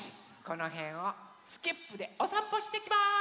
このへんをスキップでおさんぽしてきます！